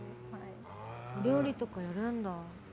お料理とかやるんだ。